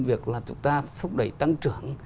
việc là chúng ta thúc đẩy tăng trưởng